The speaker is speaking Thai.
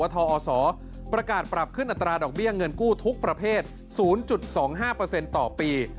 ทอศประกาศปรับขึ้นอัตราดอกเบี้ยเงินกู้ทุกประเภท๐๒๕ต่อปี